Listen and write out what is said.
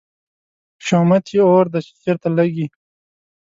شومت یې اور دی، چې چېرته لګي